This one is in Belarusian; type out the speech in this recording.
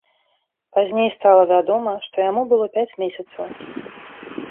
Пазней стала вядома, што яму было пяць месяцаў.